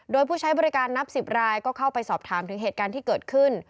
โดยผู้ใช้บริการนับ๑๐รายก็เข้าไปสอบถามถึงเหตุการณ์ที่เกิดขึ้น